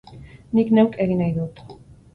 Nik neuk egin nahi dut.